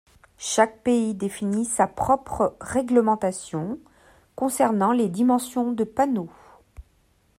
Chaque pays définit sa propre réglementation concernant les dimensions de panneaux.